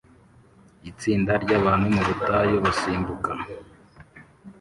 Itsinda ryabantu mu butayu basimbuka